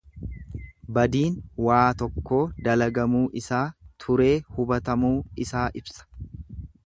Badiin waa tokkoo dalagamuu isaa turee hubatamuu isaa ibsa.